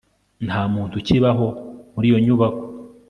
nta muntu ukibaho muri iyo nyubako